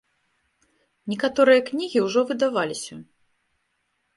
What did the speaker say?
Некаторыя кнігі ўжо выдаваліся.